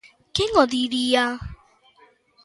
Quen o diría?